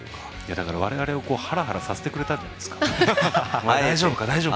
だから、我々をハラハラさせてくれたんじゃないでしょうか。大丈夫？